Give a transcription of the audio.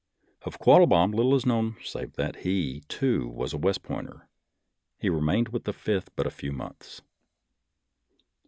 Of Quattlebaum little is known save that he, too, was a West Pointer. He remained with the Fifth but a few months.